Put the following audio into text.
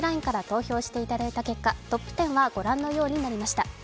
ＬＩＮＥから投票していただいた結果、トップ１０は御覧のようになりました。